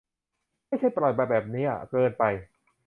ไม่ใช่ปล่อยมาแบบนี้อะ เกินไป